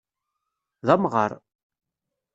D amɣaṛ.